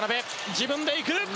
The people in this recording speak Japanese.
自分で行く！